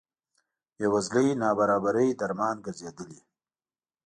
بې وزلۍ نابرابرۍ درمان ګرځېدلي.